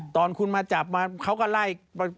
ตอนคุณมาจับมาเขาก็ไล่